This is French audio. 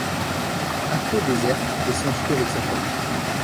Ako déserte et s'enfuit avec sa famille.